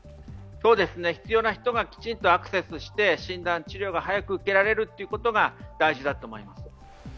必要な人がきちんとアクセスして、診断、治療が早く受けられるということが大事だと思います。